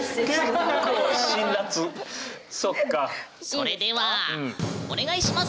それではお願いします！